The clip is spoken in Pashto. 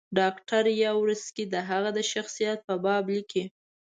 ډاکټر یاورسکي د هغه د شخصیت په باب لیکي.